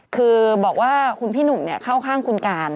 คือบอกว่าคุณพี่หนุ่มเข้าข้างคุณการ